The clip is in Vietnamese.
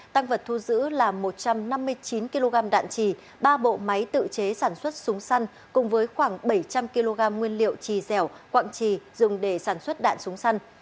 tăng vật thu giữ là một trăm năm mươi chín kg đạn trì ba bộ máy tự chế sản xuất súng săn cùng với khoảng bảy trăm linh kg nguyên liệu trì dẻo quạng trì dùng để sản xuất đạn súng săn